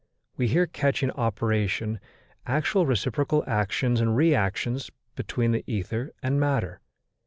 We here catch in operation actual reciprocal actions and reactions between the ether and matter.